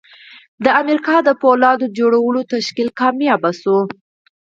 د امریکا د پولاد جوړولو تشکیل کامیاب شو